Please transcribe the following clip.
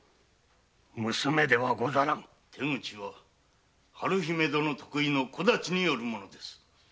娘ではござらん手口は春姫殿得意の小太刀によるものです。